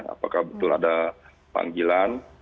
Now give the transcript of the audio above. apakah betul ada panggilan